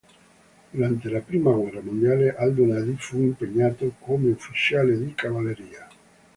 Durante la Prima guerra mondiale Aldo Nadi fu impegnato come ufficiale di cavalleria.